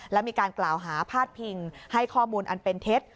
และมีการกล่าวหาพาดพิงให้ข้อมูลอันเป็นเท็จ